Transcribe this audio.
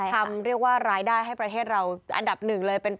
เรียกว่ารายได้ให้ประเทศเราอันดับหนึ่งเลย